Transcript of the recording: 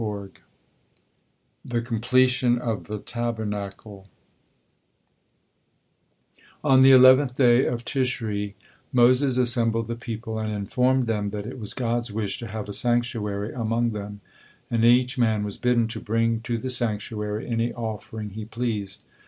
THE COMPLETION OF THE TABERNACLE On the eleventh day of Tishri Moses assembled the people, and informed them that it was God's wish to have a sanctuary among them, and each man was bidden to bring to the sanctuary any offering he pleased.